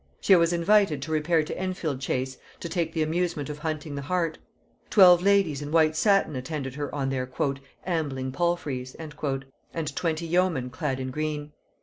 She was invited to repair to Enfield Chase to take the amusement of hunting the hart. Twelve ladies in white satin attended her on their "ambling palfreys," and twenty yeomen clad in green.